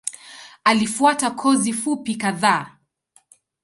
Alifuata kozi fupi kadhaa.